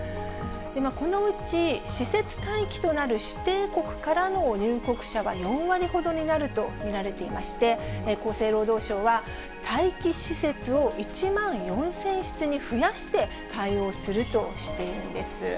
このうち施設待機となる指定国からの入国者は４割ほどになると見られていまして、厚生労働省は、待機施設を１万４０００室に増やして対応するとしているんです。